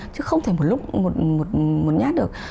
chứ không thể một lúc một nhát được